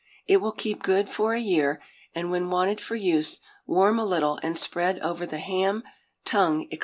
It will keep good for a year; and when wanted for use, warm a little, and spread over the ham, tongue, &c.